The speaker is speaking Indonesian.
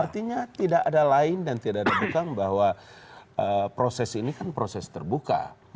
artinya tidak ada lain dan tidak ada bukan bahwa proses ini kan proses terbuka